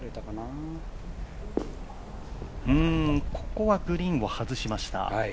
ここはグリーンを外しました。